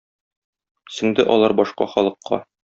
Сеңде алар башка халыкка.